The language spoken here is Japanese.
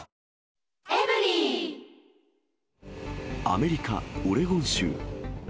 アメリカ・オレゴン州。